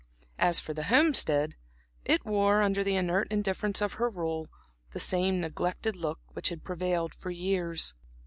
As for the Homestead, it wore, under the inert indifference of her rule, the same neglected look which had prevailed for years.